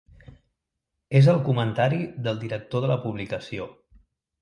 És el comentari del director de la publicació.